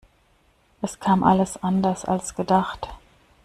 Es kam alles anders als gedacht.